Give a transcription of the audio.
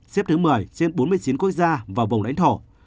xếp thứ một mươi trên bốn mươi chín quốc gia và vùng lãnh thổ